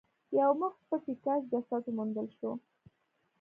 یو مخ پټي کس جسد وموندل شو.